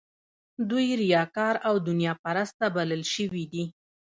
دوی ریاکار او دنیا پرسته بلل شوي دي.